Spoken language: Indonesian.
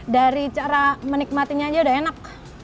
dari cara menikmatinya aja udah enak